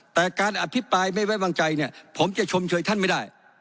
แต่การอภิปรายไม่ไว้วางใจเนี่ยผมจะชมเชยท่านไม่ได้